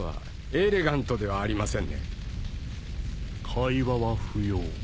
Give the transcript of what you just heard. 会話は不要。